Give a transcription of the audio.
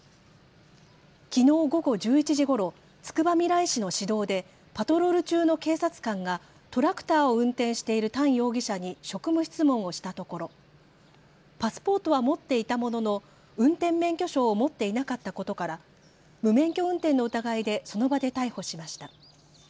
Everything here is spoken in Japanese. きのう午後１１時ごろつくばみらい市の市道でパトロール中の警察官がトラクターを運転しているタン容疑者に職務質問をしたところパスポートは持っていたものの運転免許証を持っていなかったことから無免許運転の疑いでその場で逮捕しました。